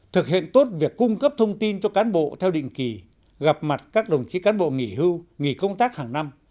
thực hiện tốt việc cung cấp thông tin cho cán bộ theo định kỳ gặp mặt các đồng chí cán bộ nghỉ hưu nghỉ công tác hàng năm